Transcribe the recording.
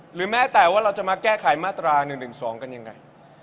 หรือแม้แต่ว่าเราจะมาแก้ไขมาตรา๑๑๒กันยังไง